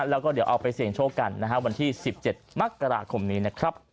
แล้วก็เดี๋ยวเอาไปเสี่ยงโชคกันนะฮะวันที่๑๗มกราคมนี้นะครับ